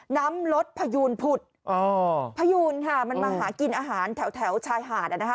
น้ำลดพยูนผุดพยูนค่ะมันมาหากินอาหารแถวชายหาดอ่ะนะคะ